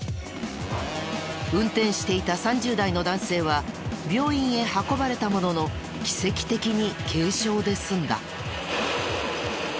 運転していた３０代の男性は病院へ運ばれたものの奇跡的に軽傷で済んだ。